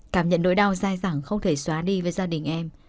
cảm nhận nỗi đau dai dẳng không thể xóa đi với gia đình em